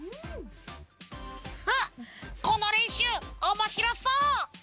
このれんしゅうおもしろそう！